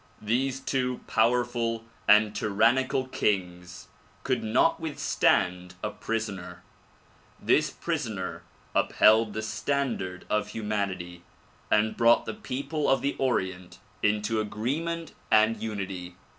These two powerful and tyran nical kings could not withstand a prisoner; this prisoner upheld the standard of humanity and brought the people of the Orient into agreement and unity.